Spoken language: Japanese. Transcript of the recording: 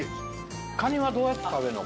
カニはどうやって食べるの？